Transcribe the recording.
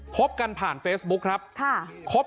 พบกันผ่านเฟซบุ๊คครับ